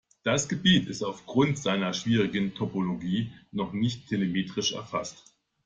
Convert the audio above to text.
Das Gebiet ist aufgrund seiner schwierigen Topologie noch nicht telemetrisch erfasst.